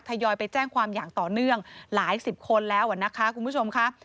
ทยอยไปแจ้งความอย่างต่อเนื่องหลายสิบคนแล้วนะคะคุณผู้ชมค่ะ